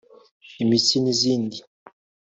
imitsi n’izindi